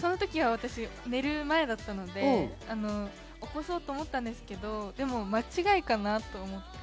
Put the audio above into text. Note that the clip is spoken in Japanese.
私は寝る前だったので起こそうと思ったんですけど、間違いかな？と思って。